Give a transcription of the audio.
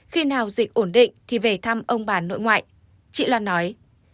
khi nào dịch ổn định thì về thăm ông bà nội ngoại chị loan nói